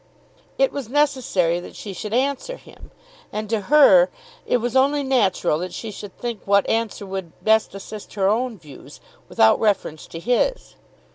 It was necessary that she should answer him and to her it was only natural that she should at first think what answer would best assist her own views without reference to his.